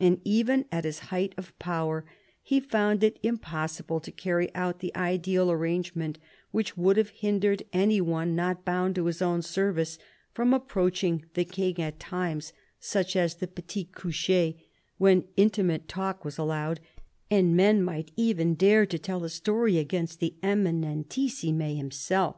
And even at his height of power he found it impossible to carry out the ideal arrangem^ent which would have hindered any one not bound to his own service from approaching the King at times such as the petit coucher, when intimate talk was allowed, and men might even dare to tell a story against the Eminentissime himself.